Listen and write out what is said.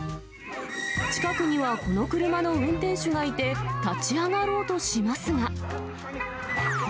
近くにはこの車の運転手がいて、立ち上がろうとしますが。